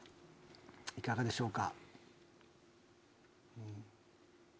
いかがでしょうか？